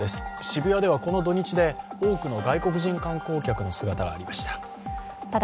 渋谷ではこの土日で多くの外国人観光客の姿がありました。